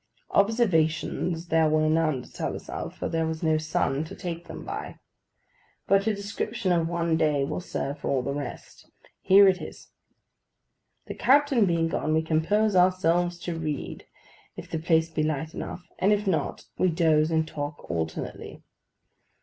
Observations there were none to tell us of, for there was no sun to take them by. But a description of one day will serve for all the rest. Here it is. The captain being gone, we compose ourselves to read, if the place be light enough; and if not, we doze and talk alternately.